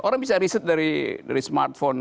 orang bisa riset dari smartphone